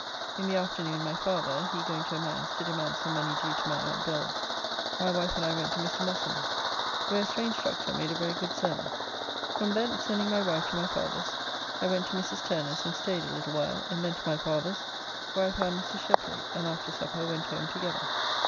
In the afternoon my father, he going to a man's to demand some money due to my Aunt Bells my wife and I went to Mr. Mossum's, where a strange doctor made a very good sermon. From thence sending my wife to my father's, I went to Mrs. Turner's, and staid a little while, and then to my father's, where I found Mr. Sheply, and after supper went home together.